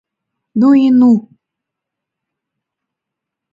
— Ну и ну-у!